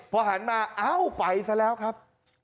พอหันมาเอ้าไปซะแล้วครับ